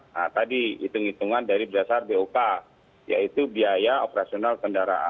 nah tadi hitung hitungan dari berdasar bok yaitu biaya operasional kendaraan